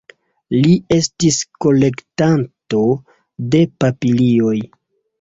Li estis kolektanto de papilioj.